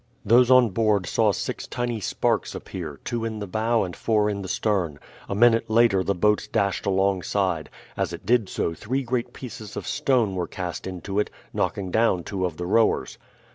Those on board saw six tiny sparks appear, two in the bow and four in the stern. A minute later the boat dashed alongside. As it did so three great pieces of stone were cast into it, knocking down two of the rowers.